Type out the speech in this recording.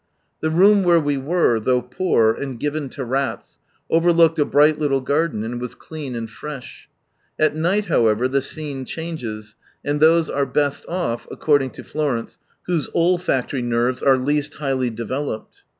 The room where we were, though poor, and given lo rats, overlooked a bright little garden, and was clean and fresh. At night however the scene changes, and those are best off, according to F lor ence, whose olfacb lory nerves are least high ly developed.